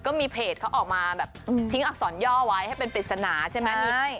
ก็มีเพจเขาออกมาแบบทิ้งอักษรย่อไว้ให้เป็นปริศนาใช่ไหม